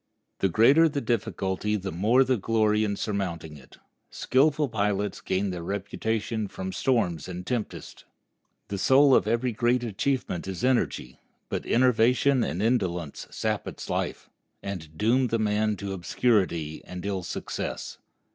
The greater the difficulty the more the glory in surmounting it. Skillful pilots gain their reputation from storms and tempests. The soul of every great achievement is energy; but enervation and indolence sap its life, and doom the man to obscurity and ill success.